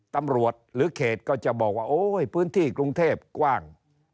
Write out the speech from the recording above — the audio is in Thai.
ตำรวจหรือเขตก็จะบอกว่าโอ้ยพื้นที่กรุงเทพกว้าง